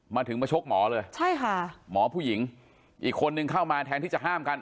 มาถึงมาชกหมอเลยใช่ค่ะหมอผู้หญิงอีกคนนึงเข้ามาแทนที่จะห้ามกัน